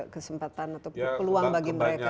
kesempatan atau peluang bagi mereka